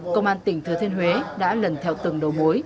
công an tỉnh thừa thiên huế đã lần theo từng đầu mối